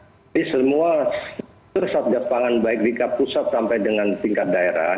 jadi semua satgas pangan baik di kapusat sampai dengan tingkat daerah